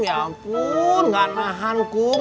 ya ampun nggak tahan kum